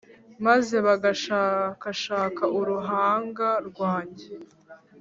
maze bagashakashaka uruhanga rwanjye;